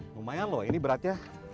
lumayan loh ini berat ya